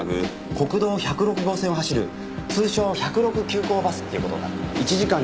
国道１０６号線を走る通称１０６急行バスっていう事になる。